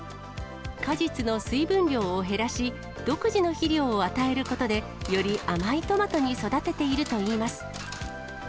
果実の水分量を減らし、独自の肥料を与えることで、より甘いトマトに育てているといいます。